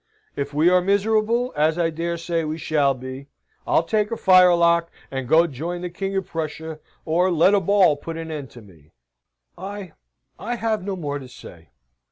If we are miserable, as I dare say we shall be, I'll take a firelock, and go join the King of Prussia, or let a ball put an end to me." "I I have no more to say.